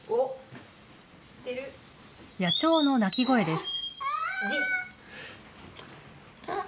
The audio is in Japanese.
野鳥の鳴き声です。